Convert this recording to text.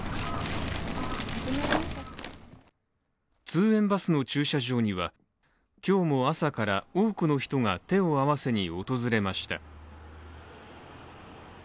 通園バスの駐車場には今日も朝から多くの人が手を合わせに訪れました。